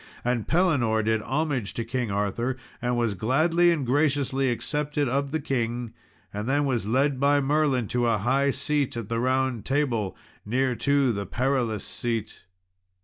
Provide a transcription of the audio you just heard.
And Pellinore did homage to King Arthur, and was gladly and graciously accepted of the king; and then was led by Merlin to a high seat at the Table Round, near to the Perilous Seat.